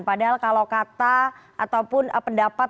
padahal kalau kata ataupun pendapat